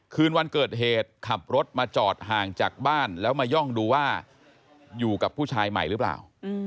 คืนวันเกิดเหตุขับรถมาจอดห่างจากบ้านแล้วมาย่องดูว่าอยู่กับผู้ชายใหม่หรือเปล่า